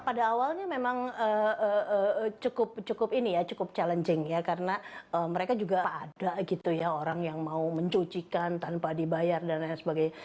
pada awalnya memang cukup challenging karena mereka juga pada orang yang mau mencucikan tanpa dibayar dan lain sebagainya